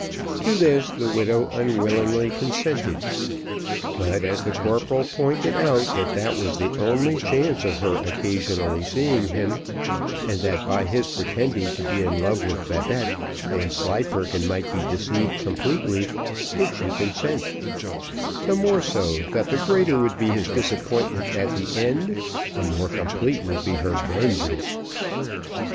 To this the widow unwillingly consented; but as the corporal pointed out that that was the only chance of her occasionally seeing him, and that by his pretending to be in love with Babette, Vanslyperken might be deceived completely, she did consent; the more so, that the greater would be his disappointment at the end, the more complete would be her vengeance.